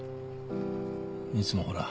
いつもほら。